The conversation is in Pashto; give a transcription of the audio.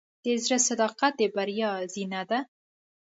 د زړۀ صداقت د بریا زینه ده.